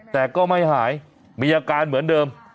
แต่ก็ไม่หายมีอาการเหมือนเดิม